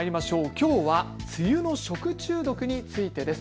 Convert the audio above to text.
きょうは梅雨の食中毒についてです。